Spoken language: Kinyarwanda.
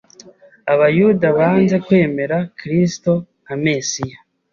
Abayuda banze kwemera Kristo nka Mesiya